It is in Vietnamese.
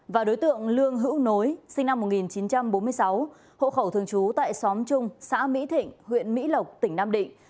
và đối tượng lương hữu nối sinh năm một nghìn chín trăm bốn mươi sáu hộ khẩu thường trú tại xóm trung xã mỹ thịnh huyện mỹ lộc tỉnh nam định